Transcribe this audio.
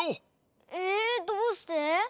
えどうして？